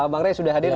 bang ray sudah hadir